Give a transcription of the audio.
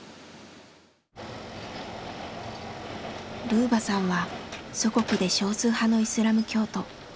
ルーバさんは祖国で少数派のイスラム教徒。